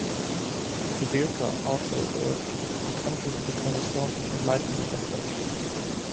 Kudirka also urged the country to become a source of enlightenment and virtue.